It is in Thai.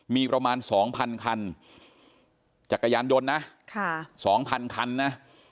มีประมาณสองพันคันจักรยานยนต์นะค่ะสองพันคันนะ